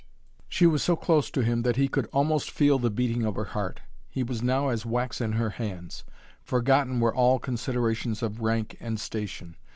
She was so close to him that he could almost feel the beating of her heart. He was now as wax in her hands. Forgotten were all considerations of rank and station.